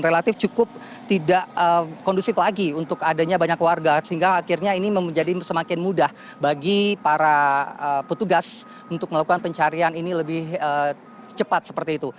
relatif cukup tidak kondusif lagi untuk adanya banyak warga sehingga akhirnya ini menjadi semakin mudah bagi para petugas untuk melakukan pencarian ini lebih cepat seperti itu